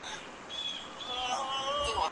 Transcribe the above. دا ستونزې به بالاخره حل سي.